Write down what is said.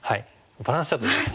バランスチャート。